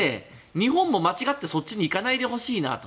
日本も間違ってそっちにいかないでほしいなと。